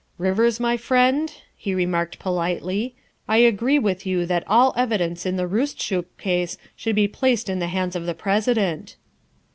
'' Rivers, my friend, '' he remarked politely, '' I agree with you that all evidence in the Roostchook case should be placed in the hands of the President."